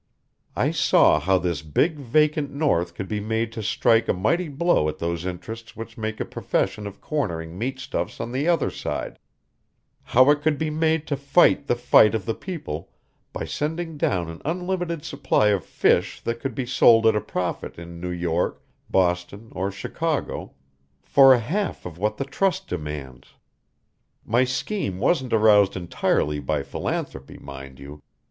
I saw how this big vacant north could be made to strike a mighty blow at those interests which make a profession of cornering meatstuffs on the other side, how it could be made to fight the fight of the people by sending down an unlimited supply of fish that could be sold at a profit in New York, Boston, or Chicago for a half of what the trust demands. My scheme wasn't aroused entirely by philanthropy, mind you.